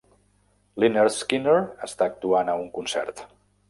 Lynyrd Skynyrd està actuant a un concert.